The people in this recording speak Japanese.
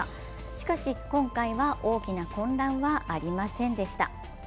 しかし今回は大きな混乱はありませんでした。